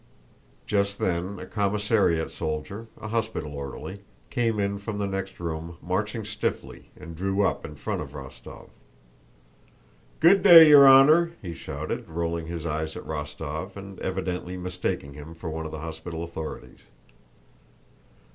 Just then a commissariat soldier, a hospital orderly, came in from the next room, marching stiffly, and drew up in front of Rostóv. "Good day, your honor!" he shouted, rolling his eyes at Rostóv and evidently mistaking him for one of the hospital authorities.